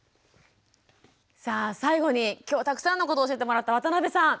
さあ最後に今日たくさんのことを教えてもらった渡部さん。